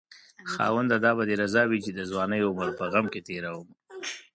خاونده دا به دې رضا وي چې د ځوانۍ عمر په غم کې تېرومه